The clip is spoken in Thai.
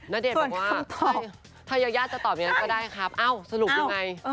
ณเดชน์บอกว่าถ้ายายาจะตอบอย่างนั้นก็ได้ครับเอ้าสรุปยังไง